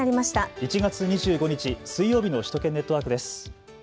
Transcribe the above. １月２５日、水曜日の首都圏ネットワークです。